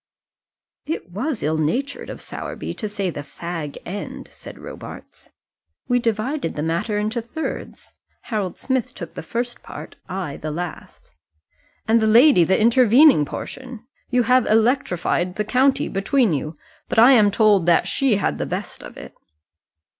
"It was ill natured of Sowerby to say the fag end," said Robarts. "We divided the matter into thirds. Harold Smith took the first part, I the last " "And the lady the intervening portion. You have electrified the county between you; but I am told that she had the best of it."